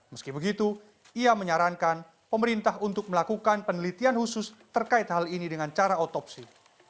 meski begitu ia menyarankan pemerintah untuk melakukan penelitian khusus terkait hal ini dengan cara otopsi